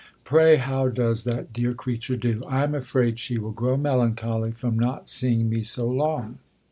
Pray how does that dear creature do ? I am ali aid she will grow melancholy from not seeing me so long.